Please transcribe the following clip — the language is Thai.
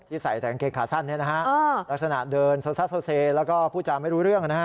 ที่ใส่แตงเกงขาสั้นลักษณะเดินเซาแล้วก็พูดจ้าไม่รู้เรื่อง